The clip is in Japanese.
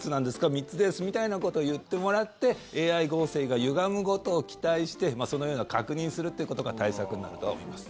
３つですみたいなことを言ってもらってＡＩ合成がゆがむことを期待してそのような確認するということが対策になると思います。